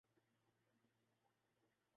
مجھ سے گرمی برداشت نہیں ہوتی